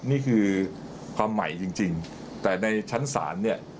นี่คือความใหม่จริงแต่ในชั้นศาลเนี่ย